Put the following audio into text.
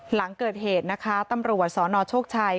หลังเกิดเหตุนะคะตำรวจสนโชคชัย